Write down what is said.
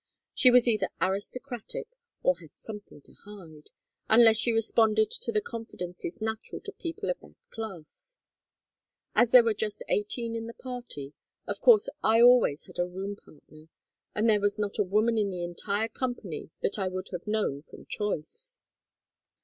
She was either aristocratic, or had something to hide, unless she responded to the confidences natural to people of that class. As there were just eighteen in the party, of course I always had a room partner, and there was not a woman in the entire company that I would have known from choice.